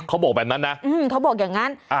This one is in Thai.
เขาบอกแบบนั้นนะเขาบอกอย่างนั้น